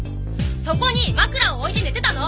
そこに枕を置いて寝てたの！